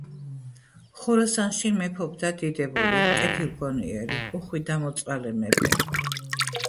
ხორასანში მეფობდა დიდებული კეთილგონიერი უხვი და მოწყალე მეფე